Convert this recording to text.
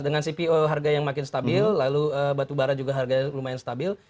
dengan cpo harga yang makin stabil lalu batu bara juga harga yang lumayan stabil